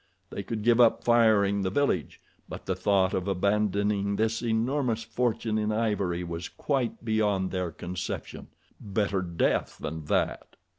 They could give up firing the village, but the thought of abandoning this enormous fortune in ivory was quite beyond their conception—better death than that.